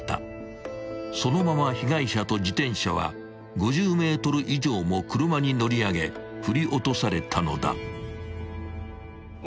［そのまま被害者と自転車は５０ｍ以上も車に乗り上げ振り落とされたのだ］